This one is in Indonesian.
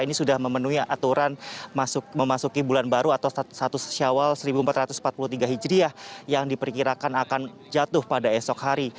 ini sudah memenuhi aturan memasuki bulan baru atau satu syawal seribu empat ratus empat puluh tiga hijriah yang diperkirakan akan jatuh pada esok hari